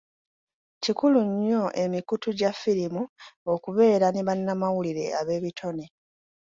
Kikulu nnyo emikutu gya ffirimu okubeera ne bannamawulire ab'ebitone.